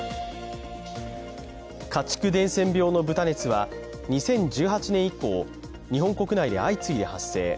家畜伝染病の豚熱は２０１８年以降、日本国内で相次いで発生。